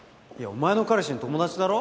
お前の彼氏の友達だろ？